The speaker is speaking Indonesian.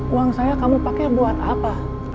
uang saya kamu pakai buat apa